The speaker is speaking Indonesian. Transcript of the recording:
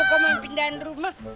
aduh mau pindahan rumah